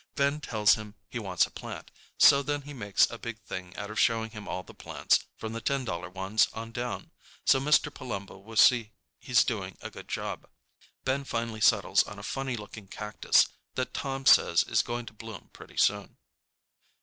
Ben tells him he wants a plant, so then he makes a big thing out of showing him all the plants, from the ten dollar ones on down, so Mr. Palumbo will see he's doing a good job. Ben finally settles on a funny looking cactus that Tom says is going to bloom pretty soon.